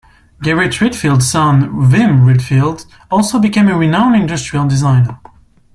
Gerrit Rietveld's son Wim Rietveld also became a renowned industrial designer.